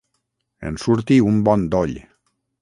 En surti un bon doll.